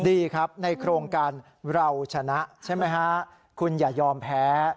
ดีครับในโครงการเราชนะใช่ไหมฮะคุณอย่ายอมแพ้